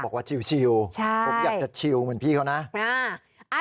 บอกว่าชิลผมอยากจะชิวเหมือนพี่เขานะ